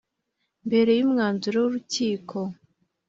Mbere y’umwanzuro w’urukiko